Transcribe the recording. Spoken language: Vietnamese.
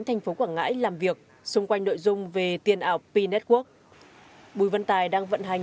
thành phố quảng ngãi làm việc xung quanh nội dung về tiền ảo p network bùi văn tài đang vận hành